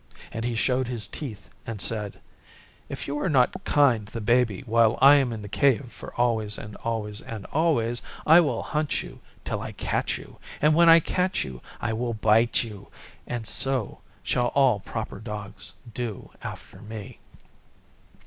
And he showed his teeth and said, 'If you are not kind to the Baby while I am in the Cave for always and always and always, I will hunt you till I catch you, and when I catch you I will bite you. And so shall all proper Dogs do after me.